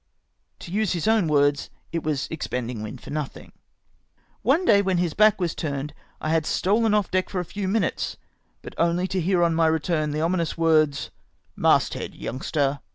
To use his own words, it " was expending wind for nothing." One day, when his back was turned, I had stolen off deck for a few minutes, but only to hear on my return the ominous words, "Mast head, youngster!"